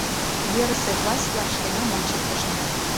Верысе властьлан шкенам ончыктышна.